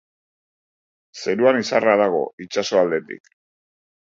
Zeruan izarra dago itsaso aldetik.